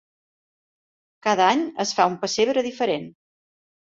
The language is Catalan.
Cada any es fa un pessebre diferent.